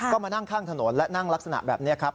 ก็มานั่งข้างถนนและนั่งลักษณะแบบนี้ครับ